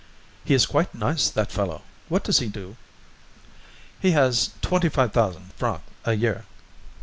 "He is quite nice, that fellow; what does he do?" "He has twenty five thousand francs a year."